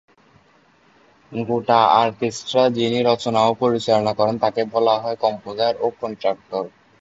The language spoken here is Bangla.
গোটা অর্কেস্ট্রা যিনি রচনা ও পরিচালনা করেন তাকে বলা হয় কম্পোজার ও কন্ডাক্টর।